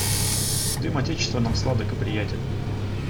Дым отечества нам сладок и приятен.